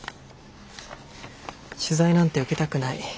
取材なんて受けたくない。